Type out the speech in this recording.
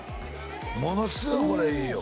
ものすごいこれいいよ